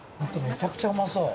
めちゃくちゃうまそう。